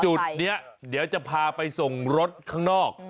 จุดนี้เดี๋ยวจะพาไปส่งรถข้างนอก